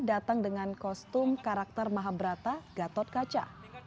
datang dengan kostum karakter mahabrata gatot kaca